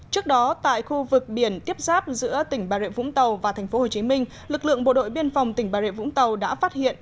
trước đó tại khu vực biển tiếp giáp giữa tỉnh bà rịa vũng tàu và tp hcm lực lượng bộ đội biên phòng tỉnh bà rịa vũng tàu đã phát hiện